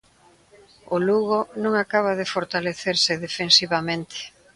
O Lugo non acaba de fortalecerse defensivamente.